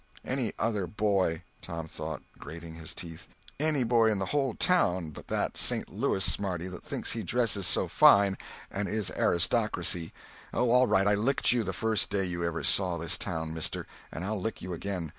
"Any other boy!" Tom thought, grating his teeth. "Any boy in the whole town but that Saint Louis smarty that thinks he dresses so fine and is aristocracy! Oh, all right, I licked you the first day you ever saw this town, mister, and I'll lick you again!